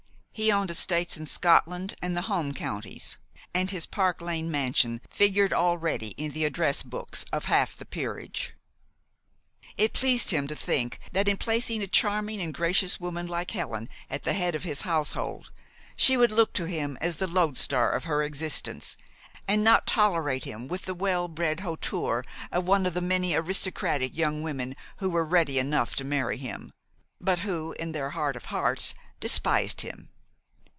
He owned estates in Scotland and the home counties, and his Park Lane mansion figured already in the address books of half the peerage. It pleased him to think that in placing a charming and gracious woman like Helen at the head of his household, she would look to him as the lodestar of her existence, and not tolerate him with the well bred hauteur of one of the many aristocratic young women who were ready enough to marry him, but who, in their heart of hearts, despised him.